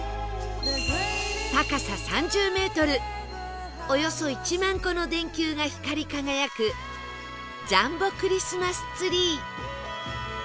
高さ３０メートルおよそ１万個の電球が光り輝くジャンボクリスマスツリー